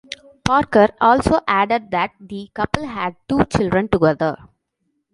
Parker also added that the couple had two children together.